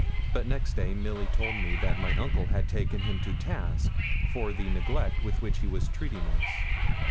But next day Milly told me that my uncle had taken him to task for the neglect with which he was treating us.